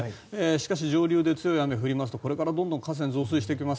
しかし、上流で強い雨が降りますとこれからどんどん河川が増水していきます。